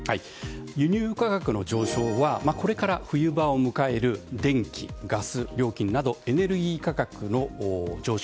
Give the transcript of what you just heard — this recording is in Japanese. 輸入価格の上昇はこれから冬場を迎える電気・ガス料金などエネルギー価格の上昇